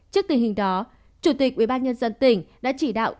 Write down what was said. trước tình hình đó chủ tịch ubnd tỉnh đã chỉ đạo